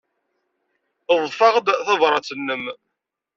Ḍḍfeɣ-d tabṛat-nnem.